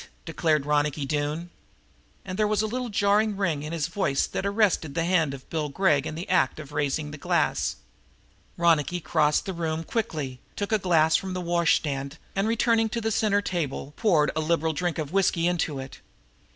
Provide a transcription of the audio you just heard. declared Ronicky Doone. And there was a little jarring ring in his voice that arrested the hand of Bill Gregg in the very act of raising the glass. Ronicky crossed the room quickly, took a glass from the washstand and, returning to the center table, poured a liberal drink of the whisky into it.